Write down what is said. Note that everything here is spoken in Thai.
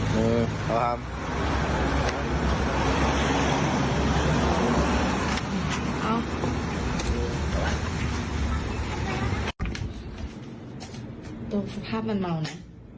สภาพมันเมานะ